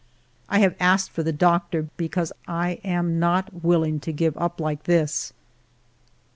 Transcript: I have asked for the doctor, because I am not willing to give up like this.